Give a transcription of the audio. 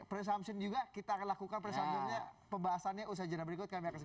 presamsi juga kita lakukan persambungannya pembahasannya usaha jenabriku terima kasih